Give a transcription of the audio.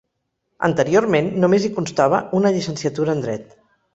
Anteriorment només hi constava una llicenciatura en dret.